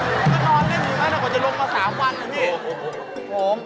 เมื่อก่อนก็นอนได้ถึงมากกว่าจะลงมา๓วันแล้วพี่